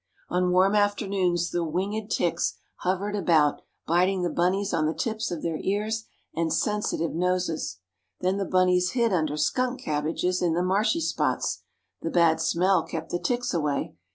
On warm afternoons the winged ticks hovered about, biting the bunnies on the tips of their ears and sensitive noses. Then the bunnies hid under skunk cabbages in the marshy spots. The bad smell kept the ticks away.